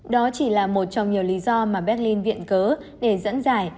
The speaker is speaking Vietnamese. đó chỉ là một trong nhiều lý do mà berlin viện cớ để dẫn giải